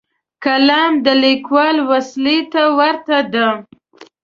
قلم د لیکوال وسلې ته ورته دی